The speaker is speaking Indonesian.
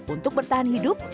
untuk bertahan hidup